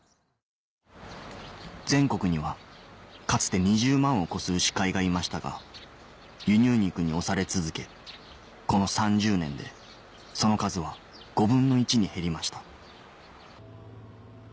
全国にはかつて２０万を超す牛飼いがいましたが輸入肉に押され続けこの３０年でその数は５分の１に減りました